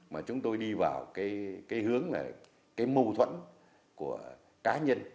mà chúng tôi đi vào cái hướng này cái mâu thuẫn của cá nhân